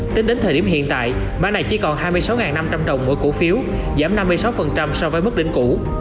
tính đến thời điểm hiện tại mã này chỉ còn hai mươi sáu năm trăm linh đồng mỗi cổ phiếu giảm năm mươi sáu so với mức đỉnh cũ